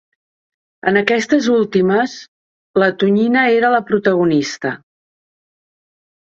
En aquestes últimes la tonyina era la protagonista.